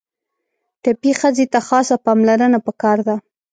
ټپي ښځې ته خاصه پاملرنه پکار ده.